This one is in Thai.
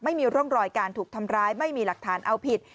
ไม่มีร่องรอยการถูกทำร้ายไม่มีหลักฐานเอาผิด